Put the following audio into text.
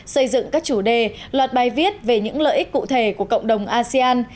xây dựng các chủ đề loạt bài viết về những lợi ích cụ thể của cộng đồng asean